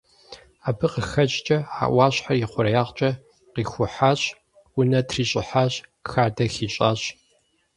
Абы къыхэкӏкӏэ, а ӏуащхьэр и хъуреягъкӏэ къихухьащ, унэ трищӏыхьащ, хадэ хищӏащ.